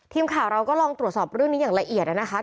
ทีมข่าวเราก็ลองตรวจสอบเรื่องนี้อย่างละเอียดนะคะ